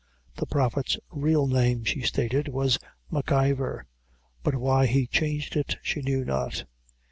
The Prophet's real name, she stated, was M'Ivor, but why he changed it, she knew not.